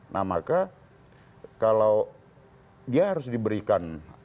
nah maka kalau dia harus diberikan